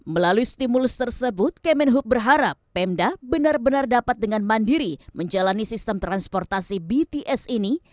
melalui stimulus tersebut kemenhub berharap pemda benar benar dapat dengan mandiri menjalani sistem transportasi bts ini